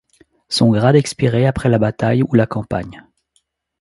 Son grade expirait après la bataille ou la campagne.